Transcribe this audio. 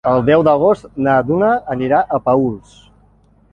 El deu d'agost na Duna anirà a Paüls.